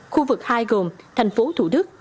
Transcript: khu vực hai gồm thành phố thủ đức